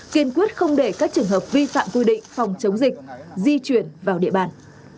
kiên quyết không để các trường hợp vi phạm quy định phòng chống dịch di chuyển vào địa bàn